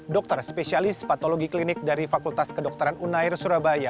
dokter spesialis patologi klinik dari fakultas kedokteran unair surabaya